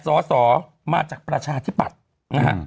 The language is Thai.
๘สสมาจากประชาธิบัตินะฮะ